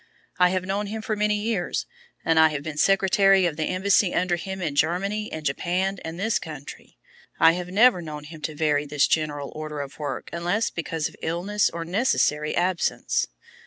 I have known him for many years, and have been secretary of the embassy under him in Germany and Japan and this country. I have never known him to vary this general order of work unless because of illness, or necessary absence.